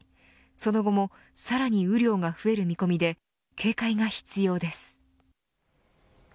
その後もさらに雨量が増える見込みで警戒が必要です。